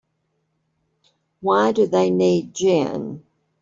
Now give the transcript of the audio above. Why do they need gin?